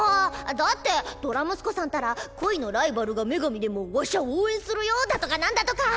だってドラムスコさんたら「恋のライバルが女神でもわしゃ応援するよ」だとかなんだとか！